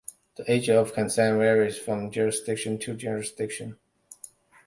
The age of consent varies from jurisdiction to jurisdiction.